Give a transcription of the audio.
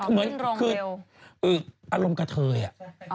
เหมือนคืออารมณ์กระเทยอะ